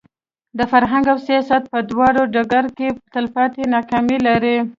د فرهنګ او سیاست په دواړو ډګرونو کې تلپاتې کارنامې لري.